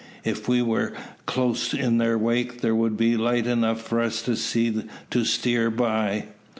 If we were close in their wake, there would be light enough for us to see to steer by."